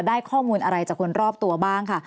ได้ข้อมูลอะไรจากคนรอบตัวบ้างค่ะ